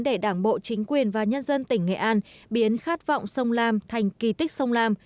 để đảng bộ chính quyền và nhân dân tỉnh nghệ an biến khát vọng sông lam thành kỳ tích sông lam